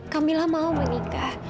kamila mau menikah